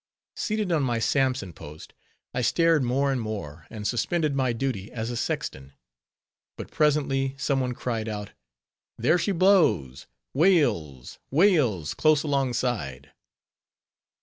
Seated on my Sampson Post, I stared more and more, and suspended my duty as a sexton. But presently some one cried out—_"There she blows! whales! whales close alongside!"